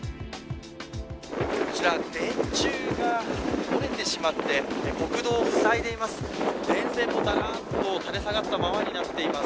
こちら電柱が折れてしまって国道を塞いでいます。